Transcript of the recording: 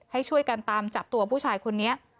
ให้ช่วยกันตามจับตัวผู้ชายคนนี้